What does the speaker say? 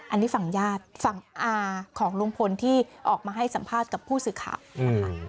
อันนี้ฝั่งอ่าของลุงพลที่ออกมาให้สัมภาษณ์กับผู้สื่อข่าว